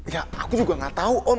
ya aku juga gak tau om